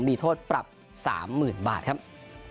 มีโทษปรับ๓๐๐๐บาทครับ